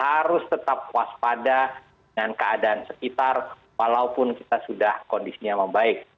harus tetap waspada dengan keadaan sekitar walaupun kita sudah kondisinya membaik